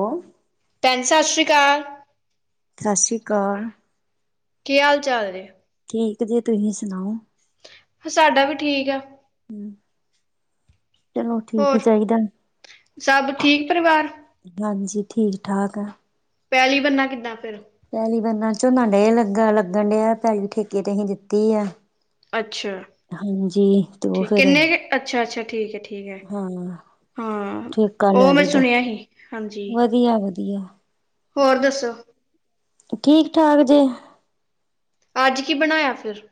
ਹੋ ਭੈਨ ਸ਼ਸ਼ਰੀ ਕਾਲ ਆ ਸ਼ਸ਼ਰੀ ਕਾਲ ਆ ਕੀ ਹਾਲ ਚਾਲ ਜੇ ਠੀਕ ਜੇ ਤੁਹੀ ਸੁਣਾਓ ਸਾਡਾ ਵੀ ਠੀਕ ਐ ਹੂੰ ਚਲੋ ਠੀਕ ਹੋਰ ਈ ਚਾਹੀਦਾ ਸਭ ਐ ਠੀਕ ਪਰਿਵਾਰ ਹਾਂਜੀ ਈ ਠੀਕ ਠਾਕ ਐ ਪੈਲੀ ਬੰਨਾ ਕਿੱਦਾਂ ਫੇਰ ਪੈਲੀ ਬੰਨਾ ਝੋਨਾ ਡੇ ਲੱਗਾ ਲੱਗਣ ਡਿਆ ਪੈਲੀ ਵੀ ਠੇਕੇ ਤੇ ਅਹੀ ਦਿੱਤੀ ਐ ਅੱਛਾ ਆ ਤੇ ਉਹ ਠੀਕ ਫਿਰ ਕਿੰਨੇ ਕੇ ਅੱਛਾ ਆ ਅੱਛਾ ਆ ਠੀਕ ਐ ਠੀਕ ਐ ਹਾਂ ਹਾਂ ਆ ਠੇਕਾ ਲੈ ਉਹ ਮੈਂ ਲਈ ਦਾ ਸੁਣਿਆ ਹੀ ਹਾਂਜੀ ਈ ਵਧੀਆ ਵਧੀਆ ਹੋਰ ਦੱਸੋ ਓ ਠੀਕ ਠਾਕ ਜੇ ਏ ਅੱਜ ਕੀ ਬਣਾਇਆ ਫਿਰ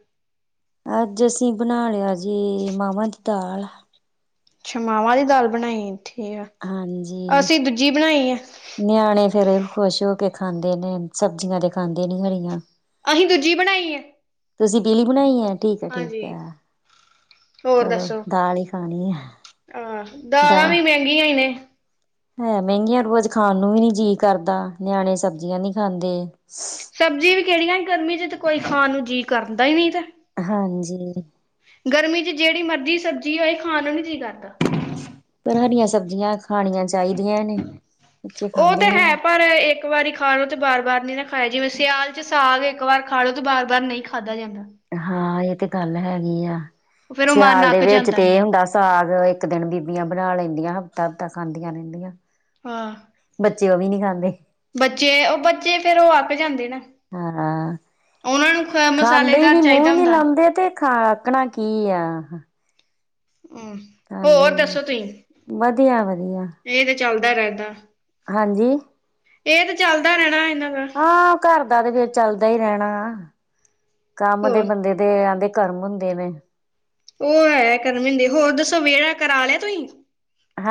ਅੱਜ ਅਸੀਂ ਈ ਬਣਾ ਲਿਆ ਜੀ ਈ ਮਾਵਾਂ ਦੀ ਦਾਲ ਐ ਅੱਛਾ ਆ ਮਾਵਾਂ ਦੀ ਦਾਲ ਬਣਾਈ ਠੀਕ ਆ ਹਾਂਜੀ ਅਸੀਂ ਦੂਜੀ ਬਣਾਈ ਆ ਨਿਆਣੇ ਫੇਰ ਖੁਸ਼ ਹੋ ਕੇ ਖਾਂਦੇ ਨੇ ਸਬਜ਼ੀਆਂ ਤੇ ਖਾਂਦੇ ਨੀ ਹਰੀਆਂ ਅਹੀ ਦੂਜੀ ਬਣਾਈ ਐ ਤੁਸੀਂ ਪੀਲੀ ਬਣਾਈ ਐ ਠੀਕ ਐ ਠੀਕ ਐ ਹੋਰ ਦੱਸੋ ਖਾਣੀ ਆ ਓ ਆ ਦਾਲਾਂ ਦਾਲ ਵੀ ਮੈਂ ਚੜੀਆਂ ਐ ਨੇ ਹੈ ਮਹਿੰਗੀਆਂ ਰੋਜ਼ ਖਾਣ ਨੂੰ ਵੀ ਨੀ ਜੀਅ ਕਰਦਾ ਆ ਨਿਆਣੇ ਸਬਜ਼ੀਆਂ ਨੀ ਖਾਂਦੇ ਏ ਸਬਜ਼ੀ ਵੀ ਕਿਹੜੀਆਂ ਗਰਮੀ ਚ ਤੇ ਕੋਈ ਖਾਣ ਨੂੰ ਜੀਅ ਕਰਦਾ ਨੀ ਤੇ‌ ਹਾਂਜੀ ਈ ਗਰਮੀ ਚ ਜਿਹੜੀ ਮਰਜ਼ੀ ਸਬਜ਼ੀ ਹੋਏ ਖਾਣ ਨੂੰ ਨੀ ਜੀਅ ਕਰਦਾ ਆ ਪਰ ਹਰੀਆ ਸਬਜ਼ੀਆਂ ਖਾਣੀਆਂ ਚਾਈ ਦੀਆਂ ਨੇ ਏ ਉਹ ਤਾਂ ਹੈ ਪਰ ਆ ਪੇਅ ਇੱਕ ਵਾਰੀ ਈ ਖਾ ਲੋ ਤੇ ਬਾਰ ਬਾਰ ਨੀ ਨਾ ਖਾਇਆ ਜਿਵੇਂ ਸਿਆਲ ਚ ਸਾਗ ਇੱਕ ਵਾਰ ਖਾ ਲੋ ਤੇ ਬਾਰ ਬਾਰ ਨਹੀਂ ਖਾਦਾ ਜਾਂਦਾ ਆ ਹਾਂ ਏ ਤੇ ਗੱਲ ਹੈਗੀ ਆ ਫੇਰ ਉਹ ਮਨ ਸਿਆਲ ਦੇ ਅੱਕ ਵਿੱਚ ਜਾਂਦਾ ਤੇ ਹੈ ਏ ਹੁੰਦਾ ਐ ਸਾਗ ਆ ਇੱਕ ਦਿਨ ਬੀਬੀਆਂ ਬਣਾ ਲੈਂਦੀਆਂ ਹਫ਼ਤਾ ਹਫ਼ਤਾ ਖਾਂਦੀਆਂ ਰਹਿੰਦੀਆਂ ਆ ਹਾਂ ਬੱਚੇ ਉਹ ਵੀ ਨਹੀਂ ਖਾਂਦੇ ਬੱਚੇ ਉਹ ਬੱਚੇ ਫੇਰ ਉਹ ਅੱੱਕ ਜਾਂਦੇ ਨੇ ਨਾ ਹਾਂ ਆ ਉਹਨਾਂ ਨੂੰ ਖਾਂਦੇ ਈ ਮਸਾਲੇਦਾਰ ਨੀ ਮੂੰਹ ਚਾਹੀਦਾ ਨੀ ਹੁੰਦਾ ਲਾਉਂਦੇ ਤੇ ਖਾ ਆ ਆਕਣਾ ਕੀ ਈ ਆ ਆ ਹੂੰ ਖਾਦੇ ਹੋਰ ਨੀ ਦੱਸੋ ਤੁਸੀਂ? ਈ ਵਧੀਆ ਵਧੀਆ ਇਹ ਤੇ ਚੱਲਦਾ ਰਹਿੰਦਾ ਆ ਹਾਂਜੀ ਈ ਇਹ ਤੇ ਚੱਲਦਾ ਰਹਿਣਾ ਇਹਨਾਂ ਦਾ ਆ ਹਾਂ ਆ ਘਰ ਦਾ ਤੇ ਫੇਰ ਚੱਲਦਾ ਹੀ ਰਹਿਣਾ ਆ ਕੰਮ ਦੇ ਹੋਰ ਬੰਦੇ ਦੇ ਆਦੇ ਏ ਕਰਮ ਹੁੰਦੇ ਨੇ ਉਹ ਐ ਕਰਨ ਕਹਿੰਦੇ, ਹੋਰ ਦੱਸੋ ਵਿਹੜਾ ਕਰਾ ਲਿਆ ਤੁਸੀਂ?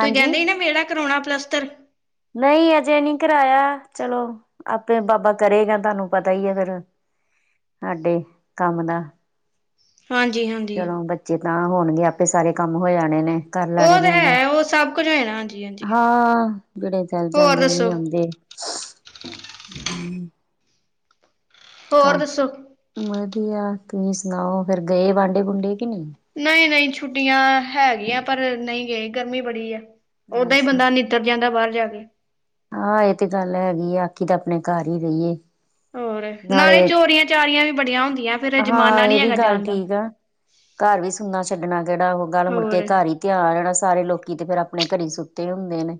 ਤੁਸੀ ਕਹਿੰਦੇ ਸੀ ਨਾ, ਵਿਹੜਾ ਕਰਾਉਣਾ ਪਲਸਤਰ? ਨਈ, ਅਜੇ ਨੀ ਕਰਾਇਆ ਚਲੋ। ਆਪੇ ਬਾਬਾ ਕਰੇਗਾ, ਤੁਹਾਨੂੰ ਪਤਾ ਈ ਆ ਫੇਰ ਸਾਡੇ ਕੰਮ ਦਾ। ਹਾਂਜੀ-ਹਾਂਜੀ। ਚਲੋ ਬੱਚੇ ਤਾਂ ਹੋਣਗੇ, ਆਪੇ ਸਾਰੇ ਕੰਮ ਹੋ ਜਾਣੇ ਨੇ। ਕਰ ਲੈਣੇ ਉਹ ਤਾਂ ਨੇ ਮੈ, ਹੈ ਉਹ ਸਭ ਕੁਝ ਹੋਏ ਨਾ ਹਾਂਜੀ ਹਾਂਜੀ ਹਾਂ ਜਿਹੜੇ ਚੱਲ ਹੋਰ ਜਾਂਦੇ ਨੇ ਦੱਸੋ ਨਈ ਆਉਦੇ। [inaudible] ਹੋਰ ਦੱਸੋ? ਵਧੀਆ ਤੁਸੀਂ ਸੁਣਾਓ ਫੇਰ ਗਏ ਬਾਂਡੇ-ਬੂੰਡੇ ਕਿ ਨਈ? ਨਈ ਨਈ, ਛੁੱਟੀਆਂ ਹੈਗੀਆਂ, ਪਰ ਨਹੀਂ ਗਏ ਗਰਮੀ ਬੜੀ ਆ ਓਦਾਂ ਈ ਅੱਛਾ ਬੰਦਾ ਕਿੱਧਰ ਜਾਂਦਾ ਬਾਹਰ ਜਾ ਕੇ। ਆ, ਇਹ ਤੇ ਗੱਲ ਹੈਗੀ ਆ, ਬਾਕੀ ਤਾਂ ਆਪਣੇ ਘਰ ਈ ਰਹੀਏ। ਹੋਰ ਨਾਲੇ ਚੋਰੀਆਂ ਚਾਰੀਆਂ ਵੀ ਬੜੀਆਂ ਹੁੰਦੀਆਂ। ਫੇਰ ਹਾਂ ਜਮਾਨਾ ਇਹ ਨੀ ਵੀ ਹੈਗਾ ਗੱਲ ਜਾਣ ਦਾ ਠੀਕ ਆ, ਘਰ ਵੀ ਸੁੁੰਨਾ ਛੱਡਣਾ ਕਿਹੜਾ ਉਹ ਗੱਲ ਮੁੜਕੇ ਹੋਰ ਘਰ ਈ। ਧਿਆਨ ਰਹਿਣਾ ਸਾਰੇ ਲੋਕੀ ਤੇ ਫੇਰ ਆਪਣੇ ਘਰੇ ਸੁੱਤੇ ਹੁੰਦੇ ਨੇ।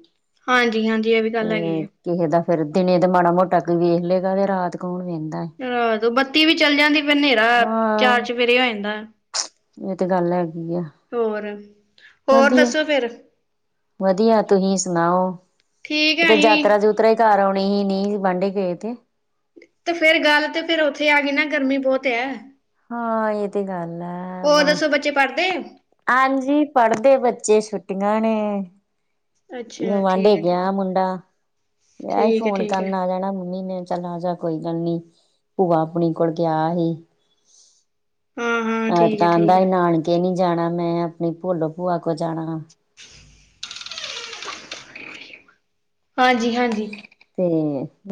ਹਾਂਜੀ-ਹਾਂਜੀ, ਇਹ ਵੀ ਗੱਲ ਹੈਗੀ ਤੇ ਆ। ਕਿਸੇ ਦਾ ਫੇਰ ਦਿਨ ਤੇ ਮਾੜਾ ਮੋਟਾ ਕੋਈ ਵੇਖ ਲਏਗਾ, ਤੇ ਰਾਤ ਕੌਣ ਵੈਦਾ। ਆਹ ਤੇ ਬੱਤੀ ਵੀ ਚੱਲ ਜਾਂਦੀ ਫੇਰ ਨੇਰਾ ਹਾਂ ਚਾਰ ਚੁਫੇਰੇ ਹੋ ਜਾਂਦਾ। ਇਹ ਤੇ ਗੱਲ ਹੈਗੀ ਆ ਹੋਰ, ਹੋਰ ਵਧੀਆ। ਦੱਸੋ ਫੇਰ? ਵਧੀਆ ਤੁਸੀਂ ਸੁਣਾਓ? ਠੀਕ ਹੈ ਕਿਤੇ ਅਸੀਂ ਯਾਤਰਾ ਵੀ ਯੂਤ ਯੂਤਰਾ ਈ ਘਰ ਆਣੀ ਸੀ ਨਈ ਵਾਂਡੇ ਗਏ ਤੇ। ਤੇ ਫੇਰ ਗੱਲ ਤੇ ਫਿਰ ਉੱਥੇ ਆ ਗਈ ਨਾ ਗਰਮੀ ਬੋਤ ਐ। ਹਾਂ ਇਹ ਤੇ ਗੱਲ ਐ ਹੋਰ ਵਾ ਦੱਸੋ ਬੱਚੇ ਪੜ੍ਹਦੇ ਹਾਂਜੀ ਪੜ੍ਹਦੇ ਬੱਚੇ ਛੁੱਟੀਆਂ ਨੇ। ਅੱਛਾ ਗੁਆਢੇ ਠੀਕ ਹੈ ਗਿਆ ਮੁੰਡਾ, ਐਈ ਠੀਕ ਠੀਕ ਹੈ ਫੋਨ ਠੀਕ ਹੈ ਕਰਨ ਆ ਜਾਣਾ ਮੰਮੀ ਨੇ ਚੱਲ ਆ ਜਾ। ਕੋਈ ਗੱਲ ਨੀ, ਭੂਆ ਆਪਣੀ ਕੋਲ ਗਿਆ ਹੀ। ਹਾਂ ਹਾਂ ਠੀਕ ਹੈ ਐਤਕਾ ਆਦਾ ਠੀਕ ਈ ਹੈ ਨਾਨਕੇ ਨੀ ਜਾਣਾ, ਮੈਂ ਆਪਣੀ ਭੋਡੋ ਭੂਆ ਕੋਲ ਜਾਣਾ। [inaudible] ਹਾਂਜੀ ਹਾਂਜੀ। ਤੇ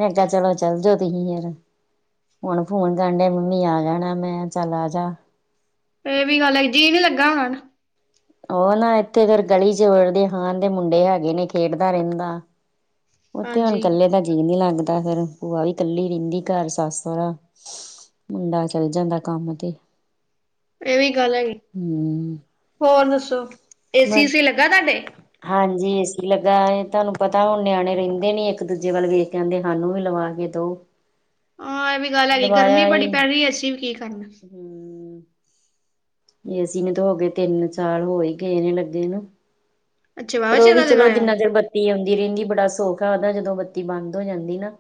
ਮੈਂ ਕਿਹਾ ਚਲੋ ਚੱਲ ਜਾਓ ਤੁਸੀਂ ਯਾਰ। ਹੁਣ ਫੋਨ ਕਰਨ ਡਿਆ ਮੰਮੀ ਆ ਜਾਣਾ ਮੈਂ, ਮੈਂ ਕਿਹਾ ਚੱਲ ਆ ਜਾ। ਇਹ ਵੀ ਗੱਲ ਹੈਗੀ ਜੀ ਨੀ ਲੱਗਾ ਹੋਣਾ ਨਾ। ਉਹ ਨਾ ਇੱਥੇ ਫੇਰ ਗਲੀ ਚ ਉਹਦੇ ਹਾਣ ਦੇ ਮੁੰਡੇ ਹੈਗੇ ਨੇ ਖੇਡਦਾ ਰਹਿੰਦਾ। ਉੱਥੇ ਹੁਣ ਹਾਂਜੀ ਕੱਲੇ ਦਾ ਜੀਅ ਨੀ ਲੱਗਦਾ, ਫਿਰ ਭੂਆ ਵੀ ਇਕੱਲੀ ਰਹਿੰਦੀ ਘਰ ਸੱਸ ਸਹੁਰਾ ਮੁੰਡਾ ਚਲ ਜਾਂਦਾ ਕੰਮ ਤੇ। ਇਹ ਵੀ ਗੱਲ ਹੈਗੀ, ਹੂੰ ਹੋਰ ਦੱਸੋ ਏਸੀ ਬਸ ਊਸੀ ਲੱਗਾ ਤੁਹਾਡੇ? ਹਾਂਜੀ ਏਸੀ ਲੱਗਾ ਐ ਤੁਹਾਨੂੰ ਪਤਾ ਹੁਣ ਨਿਆਣੇ ਰਹਿੰਦੇ ਨੀ ਇੱਕ ਦੂਜੇ ਵੱਲ ਵੇਖ ਕੇ ਕਹਿੰਦੇ ਹਾਨੂੰ ਵੀ ਲਵਾ ਕੇ ਦੋ। ਹਾਂ ਇਹ ਵੀ ਗੱਲ ਹੈਗੀ ਐ ਗਰਮੀ ਬੜੀ ਪੈ ਰਹੀ ਏਸੀ ਵੀ ਕੀ ਕਰਨ। ਹੂੰ। ਏਸੀ ਨੂੰ ਤੇ ਹੋ ਗਏ ਤਿੰਨ ਸਾਲ ਹੋ ਈ ਗਏ ਨੇ ਲੱਗੇ ਨੂੰ। ਅੱਛਾ ਵਾਹਵਾ ਪਰ ਉਹ ਚਿਰ ਵੀ ਦਾ ਚਲੋ ਲਗਾਇਆ ਜਿੰਨਾ ਚਿਰ ਬੱਤੀ ਆਉਂਦੀ ਰਹਿੰਦੀ ਬੜਾ ਸੁੱਖ ਆ ਉਹਦਾ ਜਦੋਂ ਬੱਤੀ ਬੰਦ ਹੋ ਜਾਂਦੀ ਨਾ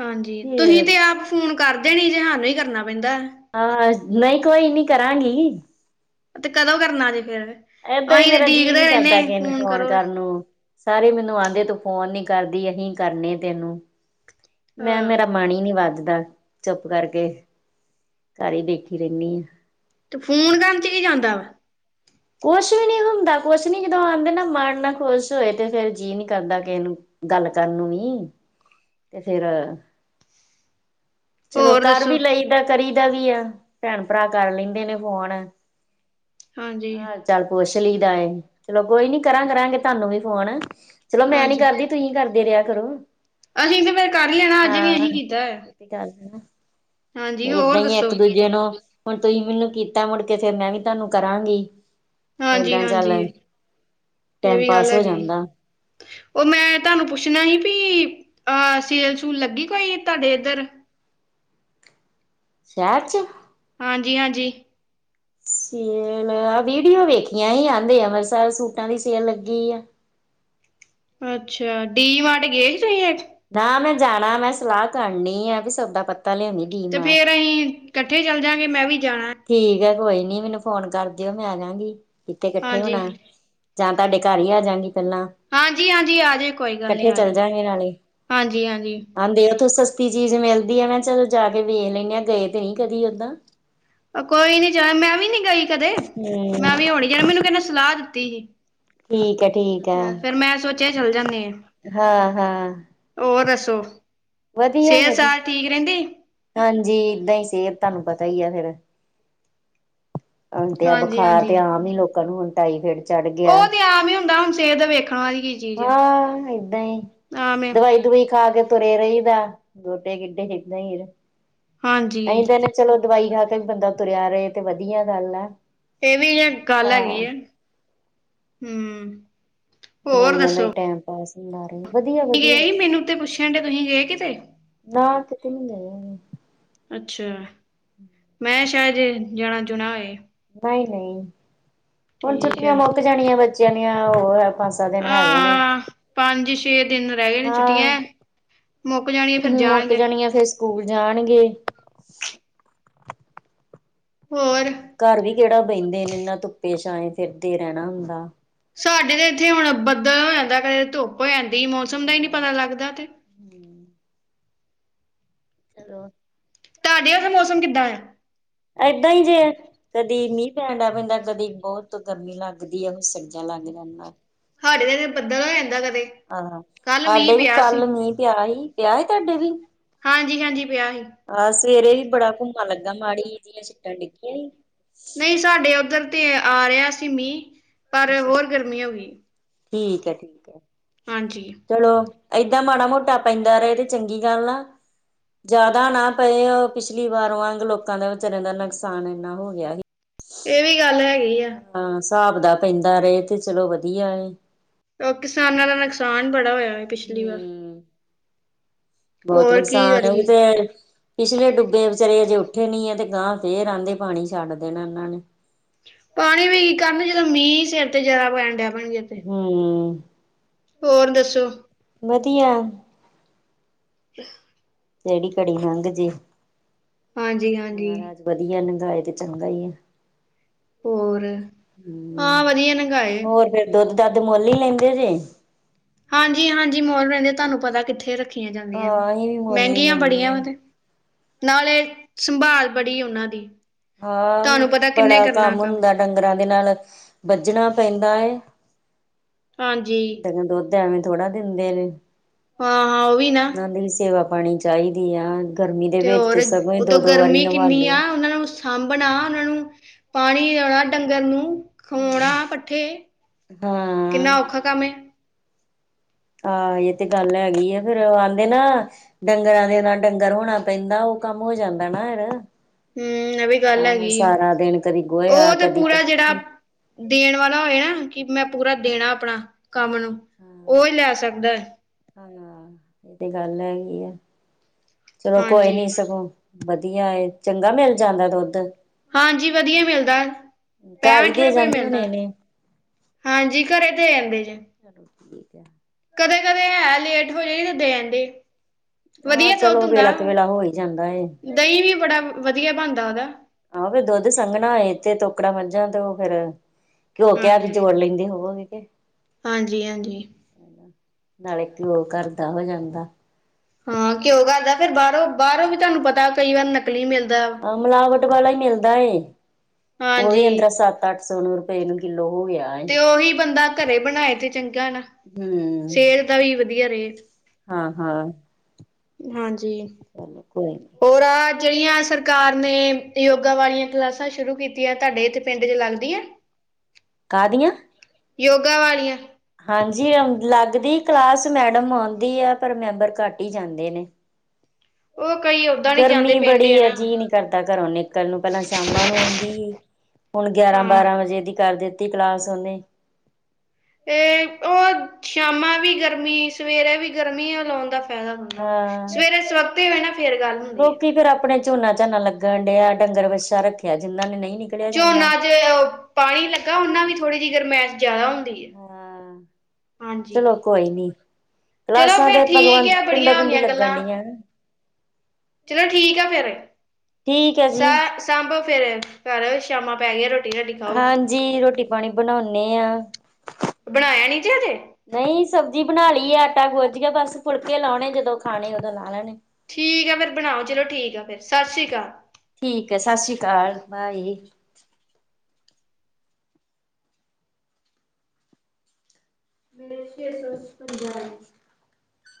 ਹਾਂਜੀ, ਫੇਰ ਤੁਸੀਂ ਤੇ ਆਪ ਫੋਨ ਕਰ ਦੇ ਨੀ ਜੇ ਸਾਨੂੰ ਹੀ ਕਰਨਾ ਪੈਂਦਾ। ਹਾਂ ਨਈ ਕੋਈ ਨੀ ਕਰਾਂਗੀ। ਤੇ ਕਦੋਂ ਕਰਨਾ ਜੇ ਫੇਰ? ਏਦਾਂ ਈ ਅਸੀਂ ਤੇ ਮੇਰਾ ਜੀਅ ਡੀਕਦੇ ਨੀ ਕਰਦਾ ਰਹਿੰਦੇ ਕਿਸੇ ਨੂੰ ਫੋਨ ਕਰੋ ਕਰਨ ਨੂੰ। ਸਾਰੇ ਮੈਨੂੰ ਆਦੇ ਤੂੰ ਫੋਨ ਨੀ ਕਰਦੀ ਅਸੀਂ ਕਰਨੇ ਤੈਨੂੰ। ਮੈਂ ਹਾਂ ਮੇਰਾ ਮਨ ਈ ਨਈ ਵੱਜਦਾ, ਚੁੱਪ ਕਰਕੇ ਘਰ ਹੀ ਬੈਠੀ ਰਹਿਣੀ ਆ। ਤੇ ਫੋਨ ਕਰਨ ਚ ਕੀ ਜਾਂਦਾ ਵਾ। ਕੁਛ ਵੀ ਨੀ ਹੁੰਦਾ, ਕੁਛ ਨੀ ਜਦੋਂ ਬੰਦੇ ਦਾ ਮਨ ਨਾ ਖੁਸ਼ ਹੋਏ ਤੇ ਫੇਰ ਜੀਅ ਨੀ ਕਰਦਾ ਕਿਸੇ ਨੂੰ ਗੱਲ ਕਰਨ ਨੂੰ ਵੀ, ਤੇ ਫਿਰ ਚਲੋ ਹੋਰ ਕਰ ਦੱਸੋ ਵੀ ਲਈਦਾ ਕਰੀ ਦਾ ਵੀ ਆ, ਭੈਣ-ਭਰਾ ਕਰ ਲੈਂਦੇ ਨੇ ਫੋਨ। ਹਾਂਜੀ ਹਾਲ-ਚਾਲ ਪੁੱਛ ਲਈਦਾ ਏ, ਚਲੋ ਕੋਈ ਨੀ ਕਰਾਂ ਕਰਾਂਗੇ ਤੁਆਨੂੰ ਵੀ ਫੋਨ। ਚੱਲੋ ਮੈਂ ਨੀ ਹਾਂਜੀ ਕਰਦੀ ਤੁਸੀਂ ਕਰਦੇ ਰਿਹਾ ਕਰੋ। ਅਸੀਂ ਤੇ ਫੇਰ ਕਰ ਲੈਣਾ ਅੱਜ ਵੀ ਹਾਂ ਅਸੀਂ ਕੀਤਾ ਐ। ਇਹ ਤੇ ਗੱਲ ਸੁਣ ਏਦਾਂ ਈ ਐ ਦੱਸੋ ਇੱਕ ਦੂਜੇ ਨੂੰ ਹੁਣ ਤੁਸੀਂ ਮੈਨੂੰ ਕੀਤਾ ਮੁੜ ਕੇ ਫਿਰ ਮੈਂ ਵੀ ਤੁਆਨੂੰ ਕਰਾਂਗੀ। ਹਾਂਜੀ ਏਦਾਂ ਈ ਚੱਲ, ਹਾਂਜੀ ਇਹ ਟੈਮ ਵੀ ਗੱਲ ਪਾਸ ਹੋ ਹੈਗੀ ਜਾਂਦਾ। ਉਹ ਮੈਂ ਤੁਹਾਨੂੰ ਪੁੱਛਣਾ ਸੀ ਪੀ ਆਹ ਸੇਲ-ਸੂਲ ਲੱਗੀ ਕੋਈ ਤੁਹਾਡੇ ਇੱਧਰ? ਸ਼ਹਿਰ ਚ? ਹਾਂਜੀ ਹਾਂਜੀ। ਸੇਲ ਆ ਵੀਡੀਓ ਵੇਖੀਆਂ ਹੀ ਆਂਦੇ ਆ ਹਰ ਸਾਲ ਸੂਟਾਂ ਦੀ ਸੇਲ ਲੱਗੀ ਐ। ਅੱਛਾ। ਡੀ ਮਾਰਟ ਗਏ ਸੀ ਤੁਸੀਂ ਅੱਜ? ਨਾ ਮੈਂ ਜਾਣਾ ਮੈਂ ਸਲਾਹ ਕਰਨ ਕਰਨੀ ਐ ਕੀ ਸੌਦਾ ਪਤਾ ਤੇ ਫੇਰ ਅਸੀਂ ਇਕੱਠੇ ਚੱਲ ਜਾਗੇ ਮੈਂ ਵੀ ਜਾਣਾ। ਠੀਕ ਐ ਕੋਈ ਨੀ ਮੈਨੂੰ ਫੋਨ ਕਰ ਦਿਓ ਮੈਂ ਆ ਜਾਗੀ ਕਿੱਥੇ ਇਕੱਠੇ ਹਾਂਜੀ ਹੋਣਾ। ਜਾਂ ਤੁਹਾਡੇ ਘਰ ਹੀ ਆ ਜਾਂਗੀ ਪਹਿਲਾਂ ਹਾਂਜੀ ਹਾਂਜੀ ਆ ਜਾਏ ਕੋਈ ਗੱਲ ਨਹੀਂ ਇਕੱਠੇ ਆ ਚੱਲ ਜਾਏ ਜਾਗੇ ਨਾਲ, ਹਾਂਜੀ ਹਾਂਜੀ ਆਹਦੇ ਉੱਥੇ ਸਸ ਤੀ ਚੀਜ਼ ਮਿਲਦੀ ਐ, ਮੈਂ ਚਲੋ ਜਾ ਕੇ ਵੇਖ ਲੈਂਨੀ ਆ ਗਏ ਤੇ ਨੀ ਕਦੀ ਓਦਾਂ। ਕੋਈ ਨੀ ਚਲ ਮੈਂ ਵੀ ਨੀ ਗਈ ਕਦੇ, ਹੂੰ ਮੈਂ ਵੀ ਹੁਣ ਜਾਣਾ ਮੈਨੂੰ ਕਹਿੰਨੇ ਸਲਾਹ ਦਿੱਤੀ ਸੀ। ਠੀਕ ਐ-ਠੀਕ। ਫੇਰ ਮੈਂ ਸੋਚਿਆ ਚੱਲ ਜਾਂਨਿਆ, ਹਾਂ ਹੋਰ ਦੱਸੋ। ਸਿਹਤ ਵਧੀਆ-ਵਧੀਆ, ਸਾਰ ਠੀਕ ਰਹਿੰਦੀ? ਹਾਂਜੀ ਏਦਾਂ ਹੀ ਸਿਹਤ ਤੁਹਾਨੂੰ ਪਤਾ ਹੀ ਆ ਫੇਰ ਹੁਣ ਤੇ ਆ ਹਾਂਜੀ ਬੁਖਾਰ ਹਾਂਜੀ। ਤੇ ਆਮ ਹੀ ਲੋਕਾਂ ਨੂੰ ਹੁਣ ਟਾਈ ਫਾਇਡ ਚੜ੍ਹ ਗਿ ਉਹ ਤੇ ਆਮ ਈ ਹੁੰਦਾ ਹੁਣ ਸਿਹਤ ਵੇਖਣ ਵਾਲੀ ਗ ਹਾਂ ਏਦਾਂ ਈ ਏ ਦਵਾਈ-ਦੁਵਈ ਖਾ ਕੇ ਤੁਰੇ ਰਹੀਏ ਬਾਹਰ, ਗੋਡੇ-ਗਿੱਡੇ ਹੀਲੇ ਗੇ ਨਾ। ਹਾਂਜੀ ਅਸੀ ਕਹਿਨੇ ਆ ਚਲੋ ਦਵਾਈ ਖਾ ਕੇ ਵੀ ਬੰਦਾ ਤੁਰਿਆ ਰਹੇ ਤੇ ਵਧੀਆ ਗੱਲ ਐ। ਤੇ ਇਹ ਵੀ ਯੇ ਗੱਲ ਹੈਗੀ ਏ ਹੂੰ। ਹੋਰ ਦਵਾਈਆਂ ਨਾਲ ਦੱਸੋ ਟਾਇਮ ਪਾਸ ਲੀ ਲੈ ਰਹੀ, ਵਧੀਆ-ਵਧੀਆ। ਗਏ ਸੀ ਮੈਨੂੰ ਤੇ ਪੁੱਛਣ ਡੇ ਤੁਸੀਂ ਗਏ ਕਿਤੇ ਨਾ ਕਿਤੇ ਨੀ ਗਏ। ਅੱਛਾ ਮੈਂ ਸ਼ਾਇਦ ਜਾਣਾ-ਜੁਣਾ ਹੋਏ। ਨਈ-ਨਈ ਹੁਣ ਠੀਕ ਹੈ ਛੁੱਟੀਆਂ ਮੁੱਕ ਜਾਣੀਆਂ ਬੱਚਿਆਂ ਦੀਆਂ ਹੋਰ ਪੰਜ-ਸੱਤ ਦਿਨ ਹੈਗੇ ਨੇ, ਹਾਂ ਪੰਜ ਛੇ ਦਿਨ ਰਹਿ ਗਏ ਨੇ ਹੋਰ ਛੁੱਟੀਆਂ ਮੁੱਕ ਜਾਣੀਆਂ ਫਿਰ ਮੁੱਕ ਜਾਣਗੇ ਜਾਣੀਆ ਫੇਰ ਸਕੂਲ ਜਾਣਗੇ। ਹੋਰ। ਘਰ ਵੀ ਕਿਹੜਾ ਬਹਿੰਦੇ ਨੇ ਇਹਨਾਂ ਧੁੱਪੇ, ਛਾਏ ਫਿਰਦੇ ਰਹਿਣਾ ਹੁੰਦਾ। ਸਾਡੇ ਤੇ ਇੱਥੇ ਹੁਣ ਬੱਦਲ ਹੋ ਜਾਂਦਾ, ਕਦੇ ਧੁੱਪ ਹੋ ਜਾਂਦੀ ਮੌਸਮ ਦਾ ਹੀ ਨਈ ਪਤਾ ਲੱਗਦਾ ਤੇ। ਹੂੰ ਚਲੋ ਤਾਡੇ ਓਥੇ ਮੌਸਮ ਕਿੱਦਾਂ ਆਂ? ਐਦਾਂ ਈ ਜੇ। ਕਦੀ ਮ੍ਹੀਂ ਪੈਣ ਲੱਗ ਪੈਂਦਾ, ਕਦੀ ਬੋਤ ਗਰਮੀ ਲੱਗਦੀ ਆ, ਓ ਸੇਕਾ ਲੱਗ ਜਾਂਦਾ। ਹਾਡੇ ਤੇ ਏਥੇ ਬੱਦਲ ਹੋ ਜਾਂਦਾ ਕਦੇ। ਆਂ, ਕੱਲ ਮੀਂਹ ਸਾਡੇ ਵੀ ਪਿਆ ਸੀ। ਕੱਲ ਮ੍ਹੀਂ ਪਿਆ ਹੀ, ਪਿਆ ਹੀ ਤਾਡੇ ਵੀ। ਹਾਂਜੀ-ਹਾਂਜੀ ਪਿਆ ਹੀ। ਆ ਸਵੇਰੇ ਵੀ ਬੜਾ ਘੁੰਮਣ ਲੱਗਾ ਮਾੜੀ ਜੀਆਂ ਛਿੱਟਾਂ ਡਿੱਗੀਆਂ ਸੀ। ਨੀ ਸਾਡੇ ਓਧਰ ਤੇ ਆ ਰਿਹਾ ਸੀ ਮ੍ਹੀਂ ਪਰ ਅੱਛਾ ਹੋਰ ਗਰਮੀ ਹੋ ਗੀ। ਠੀਕ ਐ, ਠੀਕ ਐ। ਹਾਂਜੀ। ਚਲੋ, ਏਦਾਂ ਮਾੜਾ-ਮੋਟਾ ਪੈਂਦਾ ਰਏ ਤੇ ਚੰਗੀ ਗੱਲ ਆ। ਜਾਦਾ ਨਾ ਪਏ ਓ ਪਿਛਲੀ ਵਾਰ ਵਾਂਗ ਲੋਕਾਂ ਦਾ ਵਿਚਾਰਿਆਂ ਦਾ ਨੁਕਸਾਨ ਇੰਨਾ ਹੋ ਗਿਆ ਸੀ। ਏ ਵੀ ਗੱਲ ਹੈਗੀ ਆ। ਹਾਂ ਸਾਬ ਦਾ ਪੈਂਦਾ ਰਏ ਤੇ ਚਲੋ ਵਧੀਆ ਏ। ਕਿਸਾਨਾਂ ਦਾ ਨੁਕਸਾਨ ਬੜਾ ਹੋਇਆ ਏ ਪਿਛਲੀ ਵਾਰ। ਬੋਤ ਹੋਰ ਕੀ ਨੁਕਸਾਨ ਓ ਵੀ ਕਰੀਏ ਤੇ ਪਿਛਲੇ ਡੁੱਬੇ ਵਚਾਰੇ ਅਜੇ ਉੱਠੇ ਨੀ ਆ ਤੇ ਗਾਂ ਫੇਰ ਅ੍ਹਾਂਦੇ ਪਾਣੀ ਛੱਡ ਦੇਣਾ ਏਨਾਂ ਨੇ ਪਾਣੀ ਵੀ ਕੀ ਕਰਨ ਜਦੋਂ ਮ੍ਹੀਂ ਸਿਰ ਤੇ ਜਾਦਾ ਪੈਣ ਡੈ ਪੈਣਗੇ। ਤੇ। ਹਮ ਹੋਰ ਦੱਸੋ? ਵਧੀਆ। ਅੱਛਾ ਜੀ। ਜੇੜੀ ਘੜੀ ਲੰਗ ਜੇ। ਹਾਂਜੀ-ਹਾਂਜੀ। ਬਧੀਆ ਲੰਗਾਏ ਤੇ ਚੰਗਾ ਈ ਆ। ਹੋਰ, ਹਾਂ ਵਧੀਆ ਨੰਗਾਏ। ਦੋਧ-ਦਾਧ ਮੋਲ ਈ ਲੈਂਦੇ ਜੇ। ਹਾਂਜੀ ਹਾਂਜੀ, ਮੋਲ ਰੈੰਦੇ ਤਾਨੂੰ ਪਤੈ ਕਿੱਥੇ ਰੱਖੇ ਈਆਂ ਜਾਂਦੀਐਂ, ਹਾਂ ਅਸੀਂ ਵੀ ਮੁੱਲ ਈ ਮ੍ਹੈਂਗੀਆਂ ਲੈਂਦੇ ਬੜੀਆਂ ਵਾ ਆ। ਤੇ। ਨਾਲੇ ਸੰਭਾਲ ਬੜੀ ਓਨਾਂ ਦੀ। ਆ ਓ ਤੁਹਾਨੂੰ ਪਤਾ ਕਿੰਨੇ ਬੜਾ ਕਰਨਾ ਕੰਮ ਹੁੰਦੈ। ਡੰਗਰਾਂ ਦੇ ਨਾਲ ਬੱਜਣਾ ਪੈਂਦਾ ਏ, ਹਾਂਜੀ ਡੰਗਰ ਦੋ ਦ ਐਵੇਂ ਥੋੜ੍ਹਾ ਦਿੰਦੇ ਨੇ, ਹਾਂ ਹਾਂ ਉਹ ਵੀ ਨਾ ਓਨਾਂ ਦੀ ਵੀ ਸੇਵਾ-ਪਾਣੀ ਚਾਈਦੀ ਆ। ਗਰਮੀ ਦੇ ਤੇ ਵਿੱਚ ਔਰ, ਸਗੋਂ ਹੀ ਉਤੋਂ ਦੋ ਦੋ ਵਾਰੀ ਗਰਮੀ ਕਿੰਨੀ ਨਵਾਲੋ ਆ ਓਨਾਂ ਨੂੰ ਹਾਂਬਣਾ, ਓਨਾਂ ਨੂੰ ਪਾਣੀ ਔਣਾ ਡੰਗਰ ਨੂੰ। ਖਵੋਣਾ ਪੱਠੇ, ਕਿੰਨਾ ਹਾਂ ਔਖਾ ਕੰਮ ਐ। ਆਂ ਏ ਤੇ ਗੱਲ ਹੈਗੀ ਆ, ਫੇਰ ਆਂਦੇ ਨਾ ਡੰਗਰਾਂ ਦੇ ਨਾਲ ਡੰਗਰ ਹੋਣਾ ਪੈਂਦਾ ਓ ਕੰਮ ਹੋ ਜਾਂਦਾ ਨਾ ਹੇਰ। ਹਮ, ਐ ਵੀ ਗੱਲ ਹੈਗੀ ਆ, ਦਿਨ ਕਦੀ ਗੋਹਾ ਓ ਤੇ ਕਦੀ ਪੂਰਾ ਜੇੜਾ ਪੱਠੇ ਦੇਣ ਵਾਲਾ ਹੋਏ ਨਾ ਕੀ ਮੈਂ ਪੂਰਾ ਦੇਣਾ ਆਪਣਾ ਕੰਮ ਨੂੰ ਓ ਈ ਲੈ ਸਕਦੈ। ਹਾਂ, ਏ ਤੇ ਗੱਲ ਐਗੀ ਆ, ਚਲੋ ਕੋਈ ਨੀ ਹਾਂਜੀ ਸਗੋਂ ਵਧੀਆ ਏ, ਚੰਗਾ ਮਿਲ ਜਾਂਦਾ ਦੋਧ? ਹਾਂਜੀ ਵਧੀਆ ਮਿਲਦਾ, ਘਰ ਹੀ ਪੈਂਠ ਦੇ ਰਪਏ ਜਾਂਦੇ ਮਿਲਦਾ। ਹੋਣੇ ਨੇ ਹਾਂਜੀ ਘਰੇ ਦੇ ਐਂਦੇ ਜੇ। ਚਲੋ ਠੀਕ ਹੈ ਕਦੇ- ਕਦੇ ਐ ਲੇਟ ਹੋ ਜਾਈਏ ਤੇ ਦੇਣ ਡੇ। ਆ, ਚਲੋ ਵੇਲਾ ਕੁਵੇਲਾ ਹੋ ਹੀ ਜਾਂਦਾ ਏ। ਦਹੀਂ ਵੀ ਬੜਾ ਵਧੀਆ ਬਣਦਾ ਉਹਦਾ। ਆਹੋ, ਦੁੱਧ ਸੰਘਣਾ ਏ ਇਤੇ ਤੋਕੜਾਂ ਮੱਝਾਂ ਤੋਂ ਫਿਰ ਘਿਓ ਘਿਆ ਵੀ ਹਾਂਜੀ ਜੋੜ ਲੈਂਦੇ ਹੋਵੋਗੇ ਕੇ? ਹਾਂਜੀ ਹਾਂਜੀ ਨਾਲੇ ਘਿਓ ਘਰ ਦਾ ਹੋ ਜਾਂਦਾ। ਹਾਂ, ਘਿਓ ਘਰਦਾ, ਫਿਰ ਬਾਰੋਂ, ਬਾਰੋਂ ਵੀ ਤੁਆਨੂੰ ਪਤਾ ਕਈ ਵਾਰ ਨਕਲੀ ਮਿਲਦਾ। ਔ ਮਿਲਾਵਟ ਵਾਲਾ ਈ ਮਿਲਦਾ ਏ। ਉਹ ਹਾਂਜੀ ਈ ਅੰਦਰਾ ਸੱਤ ਤੱਠ ਸੋ ਨੂੰ ਤਿੰਨ ਕਿੱਲੋ ਹੋ ਗਿਆ। ਏ। ਤੇ ਉਹੀ ਬੰਦਾ ਘਰੇ ਬਣਾਏ ਤੇ ਚੰਗਾ ਨਾ। ਹੂੰ ਸੇਤ ਦਾ ਵੀ ਵਧੀਆ ਰਏ। ਹਾਂ, ਹਾਂ। ਹਾਂਜੀ, ਚਲੋ ਕੋਈ ਨੀ ਔਰ ਆ ਜੇੜੀਆਂ ਸਰ ਕਾਰ ਨੇ ਯੋਗਾ ਵਾਲੀਆਂ ਕਲਾਸਾਂ ਸ਼ੁਰੂ ਕੀਤੀਆ, ਤਾਡੇ ਇੱਥੇ ਪਿੰਡ 'ਚ ਲੱਗ ਦਿਆਂ? ਕਾਹਦੀਆਂ ਯੋਗਾ ਵਾਲੀਆਂ। ਹਾਂਜੀ ਅੰਗ ਲੱਗਦੀ ਕਲਾਸ ਮੈਡਮ ਆਉਂਦੀ ਆ, ਪਰ ਮੈਂਬਰ ਘੱਟ ਈ ਜਾਂਦੇ ਨੇ। ਉਹ ਕਈ ਓਦਾਂ ਨੀ ਜਾਂਦੇ ਗਰਮੀ ਪਿੰਡ ਬੜੀ ਆ ਐ, ਨਾ ਜੀ ਨੀ ਕਰਦਾ ਘਰੋਂ ਨਿਕਲ ਨੂੰ। ਪਹਿਲਾਂ ਸ਼ਾਮਾਂ ਨੂੰ ਔੰਦੀ ਹੀ। ਹੁਣ ਗਿਆਰਾਂ ਹਾਂ ਬਾਰਾਂ ਵਜੇ ਦੀ ਕਰ ਦਿੱਤੀ ਕਲਾਸ ਉਹਨੇ। ਤੇ ਓ ਸ਼ਾਮਾਂ ਵੀ ਗਰਮੀ, ਸਵੇਰੇ ਵੀ ਗਰਮੀ ਔ ਲਾਉਣ ਦਾ ਫੈਦਾ ਬਾ ਹਾਂ, ਸਵੇਰੇ ਸਵਕਤੇ ਹੋਏ ਨਾ ਫੇਰ ਗੱਲ ਹੁੰਦੀ ਆ। ਕਿ ਫੇਰ ਆਪਨੇ ਝੋਨਾ ਝਾਨਾ ਲੱਗਣ ਡਿਆ, ਡੰਗਰ ਵੱਛਾ ਰੱਖਿਆ ਜਿਨ੍ਹਾਂ ਨੇ ਨਹੀਂ ਨਿਕ ਝੋਨਾ ਜੇ ਔ ਪਾਣੀ ਲੱਗਾ ਉਹਨਾ ਵੀ ਥੋੜ੍ਹੀ ਜਿਹੀ ਗਰਮੈਸ਼ ਜਿਆਦਾ ਹੁੰਦੀ ਐ। ਆਂ, ਚਲੋ ਕੋਈ ਨੀ। ਚਲੋ ਰਾਸਾਂ ਤੇ ਫੇਰ ਠੀਕ ਭਗਵੰਤ, ਆ ਪਿੰਡੋ ਬੜੀਆਂ ਹੋ -ਪਿੰਡੀ ਗਈਆਂ ਲੱਗਣ ਗੱਲਾਂ ਡੀਆਂ। ਚਲੋ ਠੀਕ ਆ ਫਿਰ, ਠੀਕ ਹੈ ਜੀ ਸਾ ਸਾਂਭੋ ਫਿਰ, ਘਰ ਸ਼ਾਮਾਂ ਪੈ ਗਈਆ, ਰੋਟੀ ਰਾਟੀ ਖਾਓ। ਜੀ ਰੋਟੀ-ਪਾਣੀ ਬਣਾਉਣੇ ਆਂ। ਬਣਾਯਾ ਨੀ ਜੇੇ ਹਜੇ? ਨਹੀਂ ਸਬਜ਼ੀ ਬਣਾ ਲਈ ਆ, ਆਟਾ ਗੁਜ ਗਿਆ, ਬਸ ਫੁਲਕੇ ਲਾਉਣੇ, ਜਦੋਂ ਖਾਣੇ, ਉਦੋਂ ਲਾ ਲੈਣੇ‌। ਠੀਕ ਐ, ਫੇਰ ਬਣਾਓ ਚਲੋ ਠੀਕ ਆ ਫਿਰ, ਸਸ਼੍ਰੀ ਅਕਾਲ। ਠੀਕ ਐ, ਸਸ਼੍ਰੀ ਕਾਲ, ਬਾਏ। ਮੇਰੇ ਛੇ ਸੌ ਛਪੰਜਾ ਆਏ